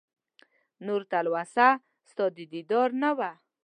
نور تلوسه ستا د دیدار نه وه